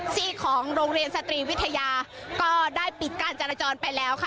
ซีกของโรงเรียนสตรีวิทยาก็ได้ปิดการจราจรไปแล้วค่ะ